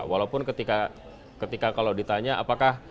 walaupun ketika kalau ditanya apakah